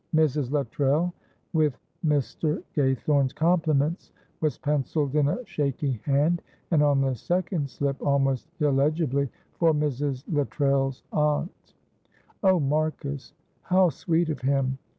"Mrs. Luttrell, with Mr. Gaythorne's compliments," was pencilled in a shaky hand, and on the second slip, almost illegibly, "For Mrs. Luttrell's aunt." "Oh, Marcus, how sweet of him!"